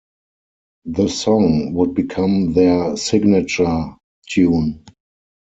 The song would become their signature tune.